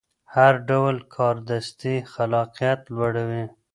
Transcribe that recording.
هر ډول کاردستي خلاقیت لوړوي.